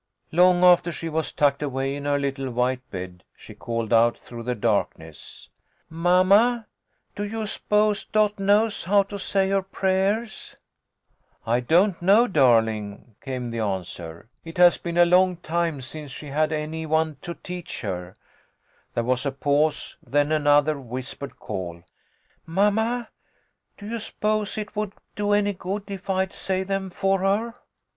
Long after she was tucked away in her little white bed she called out through the darkness, " Mamma, do you s'pose Dot knows how to say her prayers ?"" I don't know, darling," came the answer. " It has been a long time since she had any one to teach her." There was a pause, then another whis pered call. " Mamma, do you s'pose it would do any good if I'd say them for her?"